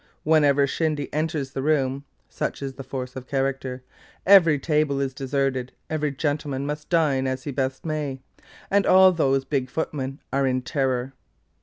Whenever Shindy enters the room (such is the force of character), every table is deserted, every gentleman must dine as he best may, and all those big footmen are in terror.